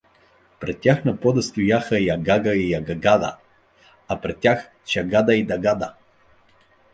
Пред тях на пода стояха Ягага и Ягагада, а пред тях — Шагада и Дагада.